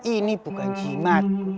ini bukan jimat